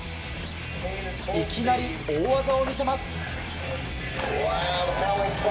いきなり大技を見せます。